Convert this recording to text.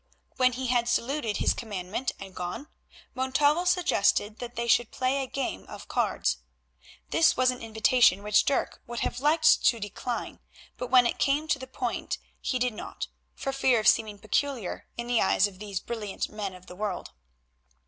When he had saluted his commandant and gone, Montalvo suggested that they should play a game of cards. This was an invitation which Dirk would have liked to decline, but when it came to the point he did not, for fear of seeming peculiar in the eyes of these brilliant men of the world.